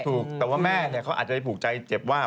ถูกแต่ว่าแม่เขาอาจจะไปผูกใจเจ็บว่า